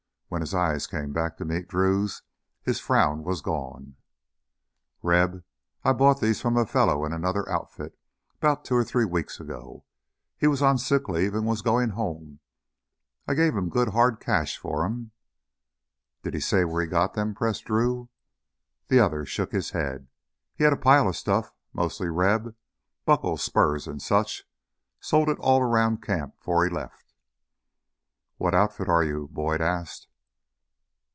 When his eyes came back to meet Drew's his frown was gone. "Reb, I bought these from a fella in another outfit, 'bout two or three weeks ago. He was on sick leave and was goin' home. I gave him good hard cash for 'em." "Did he say where he got them?" pressed Drew. The other shook his head. "He had a pile of stuff mostly Reb buckles, spurs, and such. Sold it all around camp 'fore he left." "What outfit are you?" Boyd asked.